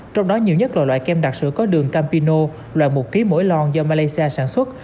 trong đó nhiều nhất là loại kem đặc sủ có đường campino loại một ký mỗi lon do malaysia sản xuất